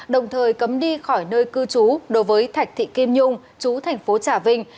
đồng thời cấm đi khỏi nơi cư chú đối với thạch thị kim nhung chú tp trà vinh